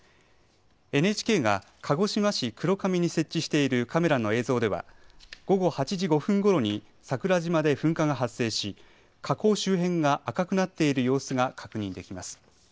ＮＨＫが鹿児島市黒神に設置しているカメラの映像では午後８時５分ごろに桜島で噴火が発生し、火口周辺が赤くなっている様子が確認できます。